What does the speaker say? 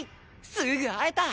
すぐ会えた！